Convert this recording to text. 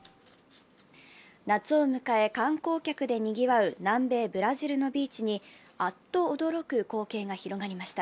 夏を迎え、観光客で賑わう南米・ブラジルのビーチにあっと驚く光景が広がりました。